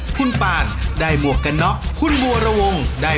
หมวกปีกดีกว่าหมวกปีกดีกว่า